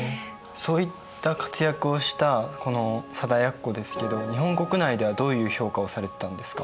そういった活躍をしたこの貞奴ですけど日本国内ではどういう評価をされてたんですか？